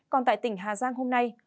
còn tại tỉnh hà giang hôm nay